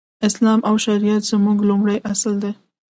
اسلام او شريعت زموږ لومړی اصل دی.